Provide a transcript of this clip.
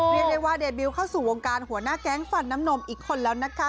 เรียกได้ว่าเดบิวเข้าสู่วงการหัวหน้าแก๊งฟันน้ำนมอีกคนแล้วนะคะ